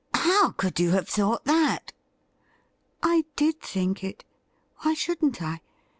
' How could you have thought that?' « I did think it. Why shouldn't I